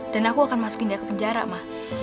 dan aku akan masukin dia ke penjara ma